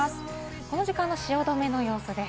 この時間の汐留の様子です。